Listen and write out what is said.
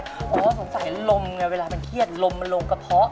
สงสัยลมเวลาเครียดลมลงกะเพาะ